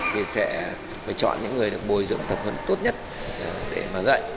thì sẽ phải chọn những người được bồi dựng tập hợp tốt nhất để mà dạy